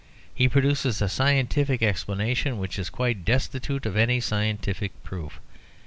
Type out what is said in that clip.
He produces a scientific explanation which is quite destitute of any scientific proof.